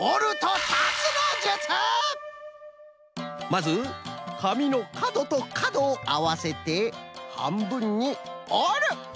まずかみのかどとかどをあわせてはんぶんにおる！